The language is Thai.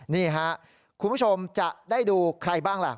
นี่ครับคุณผู้ชมจะได้ดูใครบ้างล่ะ